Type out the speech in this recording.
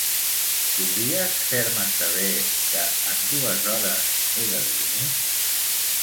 Podries fer-me saber que en dues hores he de dormir?